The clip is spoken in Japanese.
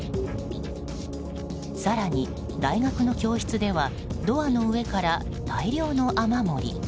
更に大学の教室ではドアの上から大量の雨漏り。